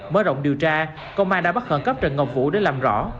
mới rộng điều tra công an đã bắt khẩn cấp trần ngọc vũ để làm rõ